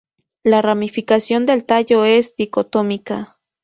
La ramificación del tallo es dicotómica.